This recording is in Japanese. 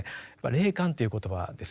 「霊感」という言葉ですよね。